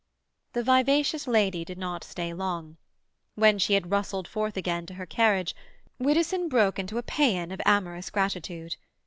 The vivacious lady did not stay long. When she had rustled forth again to her carriage, Widdowson broke into a paean of amorous gratitude.